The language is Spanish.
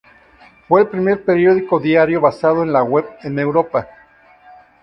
Fue el primer periódico diario basado en la web en Europa.